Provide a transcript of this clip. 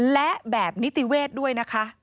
และแบบนิติเวทด้วยนะคะ